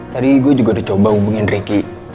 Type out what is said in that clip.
tadi gue juga udah coba hubungin reki